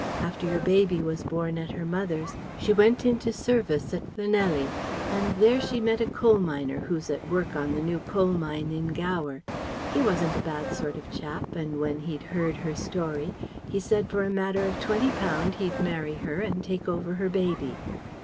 After your baby was born at her mother's, she went into service at Llanelly and there she met a miner who's at work on the new coal mine in Gower. He wasn't a bad sort of chap and when he'd heard her story he said for a matter of twenty pound he'd marry her and take over her baby.